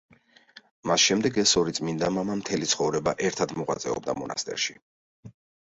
მას შემდეგ ეს ორი წმიდა მამა მთელი ცხოვრება ერთად მოღვაწეობდა მონასტერში.